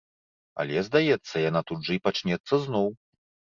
Але, здаецца, яна тут жа і пачнецца зноў.